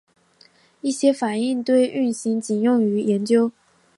一些反应堆运行仅用于研究。